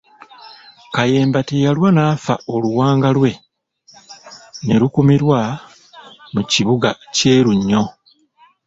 Kayemba teyalwa n'afa oluwanga lwe ne lukuumirwa mu kibuga kye Lunnyo.